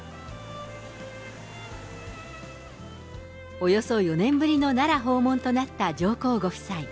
およそ４年ぶりの奈良訪問となった上皇ご夫妻。